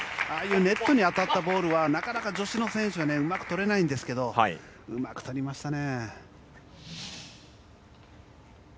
ネットに当たったボールはなかなか女子の選手はうまくとれないんですけどうまくとりましたね。